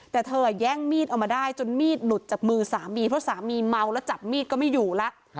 แต่เธอแย่งมีดเอามาได้จนมีดหลุดจากมือสามีเพราะสามีเมาแล้วจับมีดก็ไม่อยู่แล้ว